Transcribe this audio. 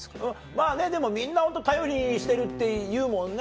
まぁねでもみんなホント頼りにしてるって言うもんね。